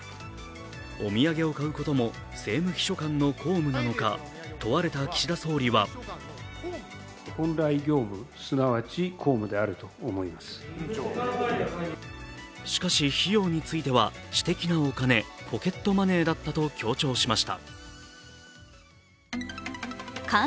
お土産を買うことも政務秘書官の公務なのか問われた岸田総理はしかし、費用については私的なお金ポケットマネーだったと強調しました。